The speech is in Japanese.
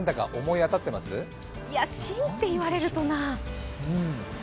いや、新って言われるとな。